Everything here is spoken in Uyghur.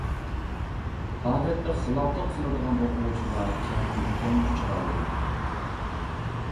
ئادەتتە خىلاپلىق قىلىدىغان ئوقۇغۇچىلار كەمدىن كەم ئۇچرايدۇ.